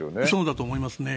そうだと思います。